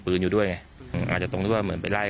พวกมันต้องกินกันพี่